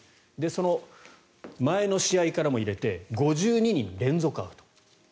その前の試合からも入れて５２人連続アウト。